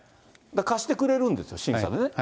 貸してくれるんですよ、審査でね。